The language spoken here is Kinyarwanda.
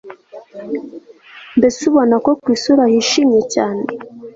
mbese ubona ko kwisura hishimye cyane